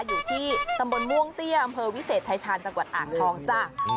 อยู่ที่ตำบลม่วงเตี้ยอำเภอวิเศษชายชาญจังหวัดอ่างทองจ้ะ